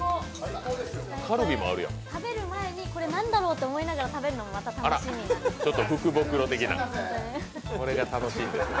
食べる前にこれなんだろうって思いながら食べるのもまた楽しみなんですよね。